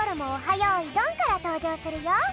よいどん」からとうじょうするよ。